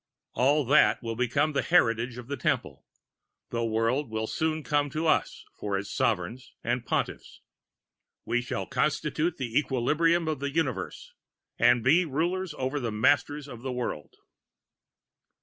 All that will become the heritage of the Temple: the World will soon come to us for its Sovereigns and Pontiffs. We shall constitute the equilibrium of the Universe, and be rulers over the Masters of the World.